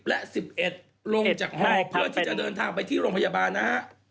และ๑๑ลงจากห่อเพื่อที่จะเดินทางไปที่โรงพยาบาลนะฮะ